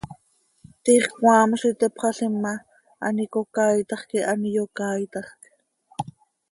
Tiix cmaam z itteepxalim ma, an icocaaitax quih an iyocaaitajc.